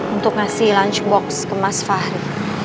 untuk ngasih lunchbox ke mas fahri